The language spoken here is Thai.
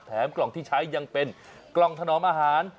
กล่องที่ใช้ยังเป็นกล่องถนอมอาหาร